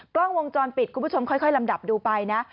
กล้องวงจรปิดคุณผู้ชมค่อยลำดับดูไปนะ